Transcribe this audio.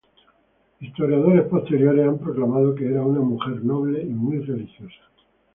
Historiadores posteriores han proclamado que era una mujer noble y muy religiosa.